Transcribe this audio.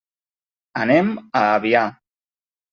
Anem a Avià.